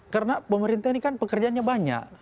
karena pemerintah ini kan pekerjaannya banyak